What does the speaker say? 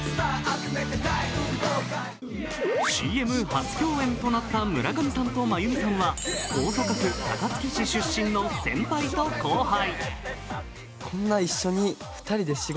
ＣＭ初共演となった村上さんと真弓さんは大阪府高槻市出身の先輩と後輩。